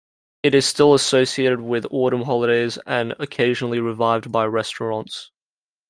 It is still associated with autumn holidays and occasionally revived by restaurants.